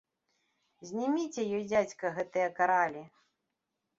Знімеце ёй, дзядзька, гэтыя каралі.